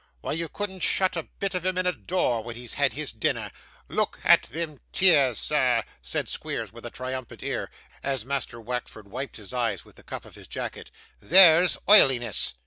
Why you couldn't shut a bit of him in a door, when he's had his dinner. Look at them tears, sir,' said Squeers, with a triumphant air, as Master Wackford wiped his eyes with the cuff of his jacket, 'there's oiliness!